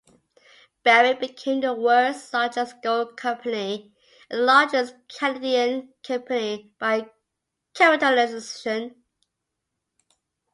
Barrick became the world's largest gold company and the largest Canadian company by capitalization.